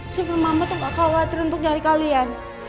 sebelum mama tuh gak khawatir untuk dari kalian